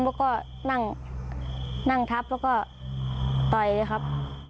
แล้วก็นั่งทับแล้วก็ต่อยเลยครับ